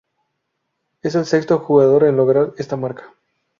Es el sexto jugador en lograr esta marca.